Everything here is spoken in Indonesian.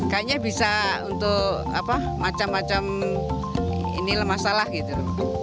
kayaknya bisa untuk macam macam inilah masalah gitu